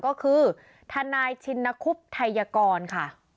ก็คือทนายชินคุบไทยกรค่ะ